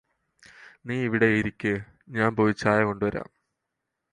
നീയിവിടെ ഇരിക്ക് ഞാന് ചായ കൊണ്ടുവരാം